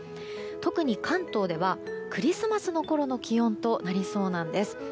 特に関東ではクリスマスのころの気温となりそうなんです。